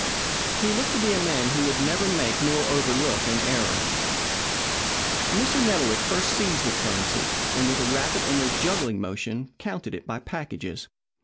He looked to be a man who would never make nor overlook an error. Mr. Nettlewick first seized the currency, and with a rapid, almost juggling motion, counted it by packages.